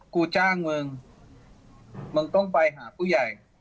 กูจ้างมึงมึงต้องไปหาผู้ใหญ่